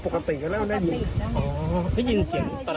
คือได้ยินกันบ่อย